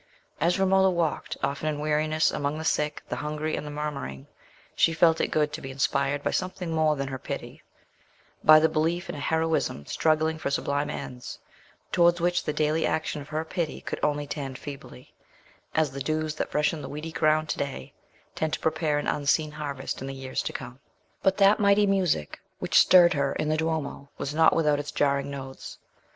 As Romola walked, often in weariness, among the sick, the hungry, and the murmuring, she felt it good to be inspired by something more than her pity—by the belief in a heroism struggling for sublime ends, towards which the daily action of her pity could only tend feebly, as the dews that freshen the weedy ground to day tend to prepare an unseen harvest in the years to come. But that mighty music which stirred her in the Duomo was not without its jarring notes.